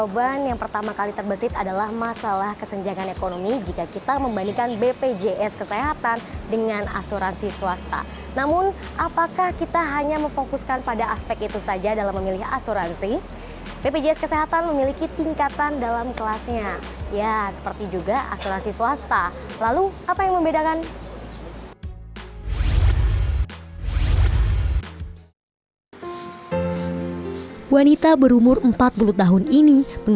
mengatakan sangat banyak hal yang harus ditutupi